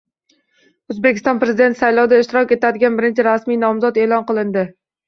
O‘zbekiston Prezidenti saylovida ishtirok etadigan birinchi rasmiy nomzod e’lon qilindi